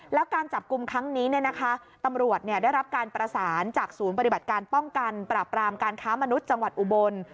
แล้วการจับกลุ่มครั้งนี้ตำรวจได้รับการประสานจากศูนย์ปฏิบัติการป้องกันปราบรามการค้ามนุษย์จังหวัดอุบล